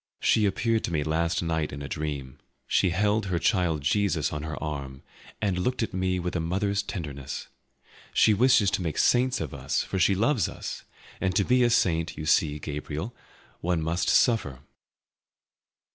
She appeared to me last night in a dream. She held her child Jesus on her arm, and looked at me with a mother's tenderness. She wishes to make saints of us, for she loves us; and to be a saint, you see, Gabriel, one must suffer."